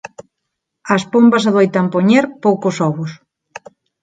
As pombas adoitan poñer poucos ovos.